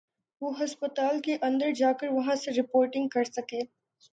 وہ ہسپتال کے اندر جا کر وہاں سے رپورٹنگ کر سکے۔